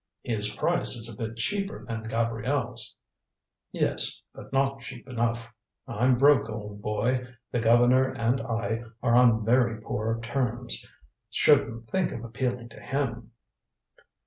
"His price is a bit cheaper than Gabrielle's." "Yes, but not cheap enough. I'm broke, old boy. The governor and I are on very poor terms. Shouldn't think of appealing to him."